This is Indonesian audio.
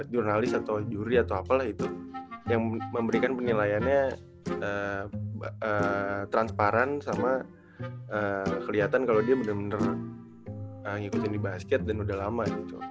jurnalis atau juri atau apalah itu yang memberikan penilaiannya transparan sama kelihatan kalau dia benar benar ngikutin di basket dan udah lama gitu